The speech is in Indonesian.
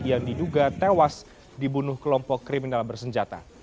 yang diduga tewas dibunuh kelompok kriminal bersenjata